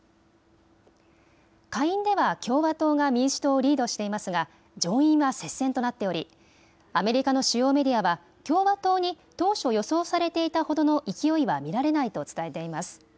下院では、共和党が民主党をリードしていますが、上院は接戦となっており、アメリカの主要メディアは、共和党に当初予想されていたほどの勢いは見られないと伝えています。